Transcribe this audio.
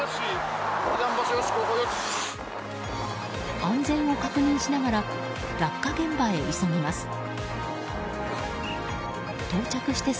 安全を確認しながら落下現場へ急ぎます。